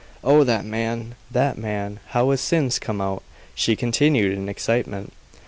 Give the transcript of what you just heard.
Oh, that man! that man! how his sins come out!" she continued in excitement.